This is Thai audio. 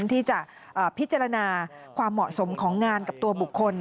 ที่จะพิจารณาความเหมาะสมของงานกับตัวบุคคล